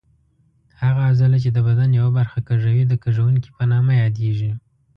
هغه عضله چې د بدن یوه برخه کږوي د کږوونکې په نامه یادېږي.